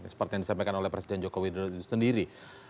seperti yang disampaikan oleh presiden joko widodo itu sendiri